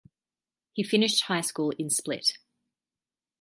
He finished high school in Split.